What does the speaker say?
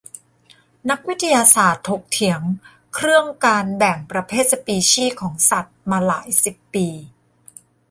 นักวิทยาศาสตร์ถกเถียงเครื่องการแบ่งประเภทสปีชีส์ของสัตว์มาหลายสิบปี